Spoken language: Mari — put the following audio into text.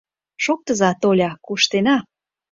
Шоктыза, Толя, куштена.